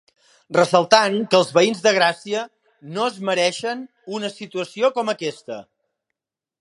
Ressaltant que els veïns de Gràcia no es ‘mereixien’ una situació com aquesta.